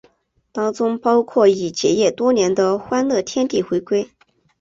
当中包括已结业多年的欢乐天地回归。